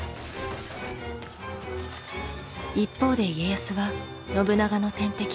一方で家康は信長の天敵